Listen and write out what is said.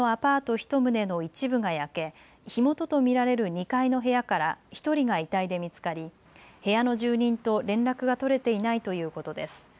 １棟の一部が焼け火元と見られる２階の部屋から１人が遺体で見つかり部屋の住人と連絡が取れていないということです。